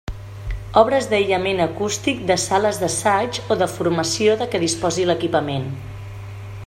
Obres d'aïllament acústic de sales d'assaig o de formació de què disposi l'equipament.